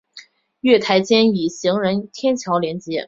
月台间以行人天桥连接。